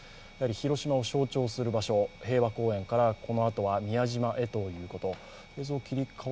広島を象徴する場所、平和公園から、このあとは宮島へということ。